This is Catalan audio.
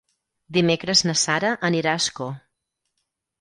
Dimecres na Sara anirà a Ascó.